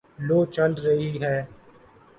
لوُ چل رہی ہے